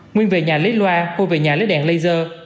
nguyên về nhà lấy loa mua về nhà lấy đèn laser